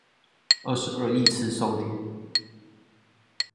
二十二億次收聽